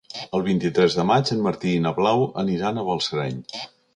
El vint-i-tres de maig en Martí i na Blau aniran a Balsareny.